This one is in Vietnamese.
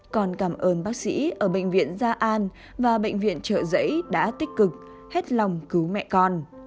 còn cảm ơn bác sĩ ở bệnh viện gia an và bệnh viện trợ giấy đã tích cực hết lòng cứu mẹ con